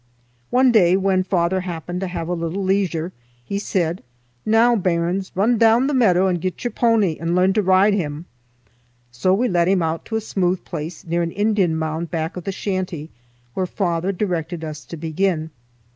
One day when father happened to have a little leisure, he said, "Noo, bairns, rin doon the meadow and get your powny and learn to ride him." So we led him out to a smooth place near an Indian mound back of the shanty, where father directed us to begin.